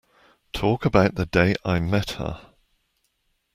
Talk about the day I met her.